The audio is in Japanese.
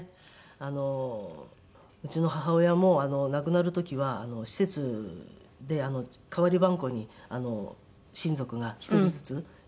あのうちの母親も亡くなる時は施設で代わりばんこに親族が１人ずつ行って。